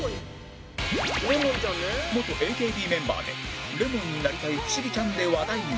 元 ＡＫＢ メンバーでレモンになりたい不思議ちゃんで話題に